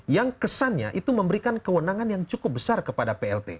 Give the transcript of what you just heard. yang kesannya itu memberikan kewenangan yang cukup besar kepada plt